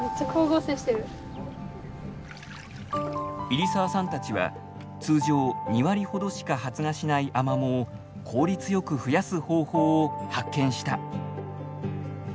入澤さんたちは通常２割ほどしか発芽しないアマモを効率よく増やす方法を発見した。